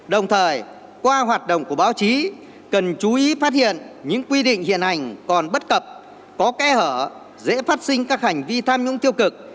đồng thời qua hoạt động của báo chí cần chú ý phát hiện những quy định hiện hành còn bất cập có kẽ hở dễ phát sinh các hành vi tham nhũng tiêu cực